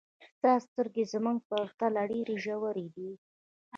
ستا سترګې زموږ په پرتله ډېرې ژورې دي.